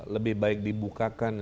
lebih baik dibukakan